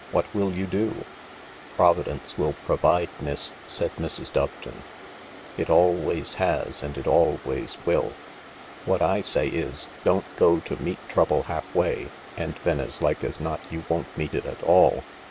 What will you do ?"" Providence will provide, miss," said Mrs. Doveton. " It 176 THE LARK always has and it always will. What Isay is, don't go to meet trouble half way, and then as like as not you won't meet it at all."